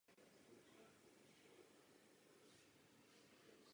Požívá důvěru a my k němu také máme důvěru.